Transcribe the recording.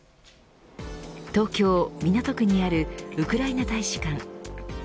東京、港区にあるウクライナ大使館。